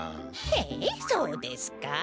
へえそうですか？